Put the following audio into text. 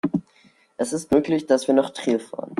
Es ist möglich, dass wir nach Trier fahren